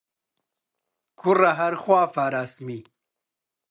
کوڕە هەر خوا پاراستمی